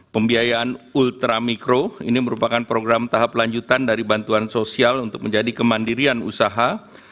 pembiayaan ultramikro ini merupakan program tahap lanjutan dari bantuan sosial untuk menjadi kemandirian usaha